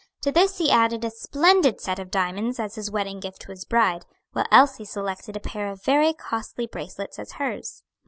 To this he added a splendid set of diamonds as his wedding gift to his bride, while Elsie selected a pair of very costly bracelets as hers.